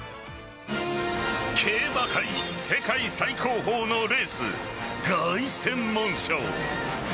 競馬界、世界最高峰のレース凱旋門賞。